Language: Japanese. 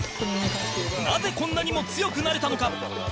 なぜこんなにも強くなれたのか？